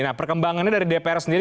nah perkembangannya dari dpr sendiri